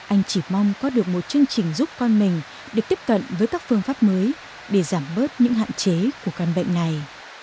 anh chỉ mong có được một chương trình giúp con mình được tiếp cận với các phương pháp mới để giảm bớt những hạn chế của căn bệnh này